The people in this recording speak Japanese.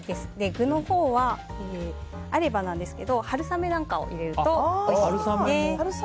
具のほうは、あれば春雨なんかを入れるとおいしいですね。